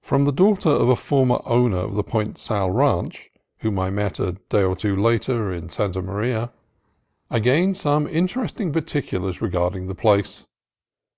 From the daughter of a former owner of the Point Sal Ranch, whom I met a day or two later at Santa POINT SAL 135 Maria, I gained some interesting particulars re garding the place.